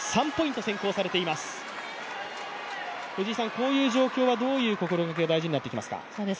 こういう状況はどういう心がけが大事になってきますか？